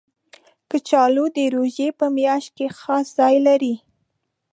کچالو د روژې په میاشت کې خاص ځای لري